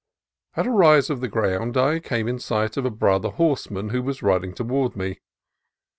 At a rise of the ground I came in sight of a brother horseman who was riding toward me.